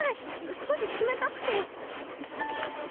少し冷たくて。